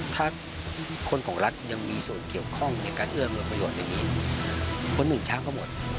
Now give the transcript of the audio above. ถ้าคนของรัฐยังมีส่วนเกี่ยวข้องในการเอื้อมยุคประโยชน์ในนี้คนหนึ่งช้างเขาหมด